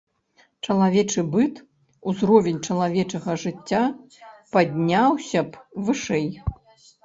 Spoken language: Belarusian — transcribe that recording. Чалавечы быт, узровень чалавечага жыцця падняўся б вышэй.